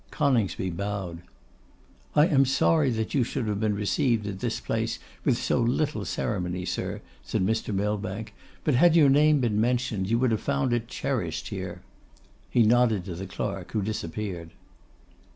Coningsby bowed. 'I am sorry that you should have been received at this place with so little ceremony, sir,' said Mr. Millbank; 'but had your name been mentioned, you would have found it cherished here.' He nodded to the clerk, who disappeared.